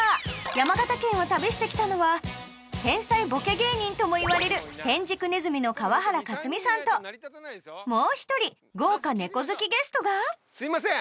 山形県を旅してきたのは天才ボケ芸人ともいわれる天竺鼠の川原克己さんともう１人豪華猫好きゲストがすいません！